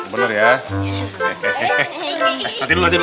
nanti dulu kalian nanti dulu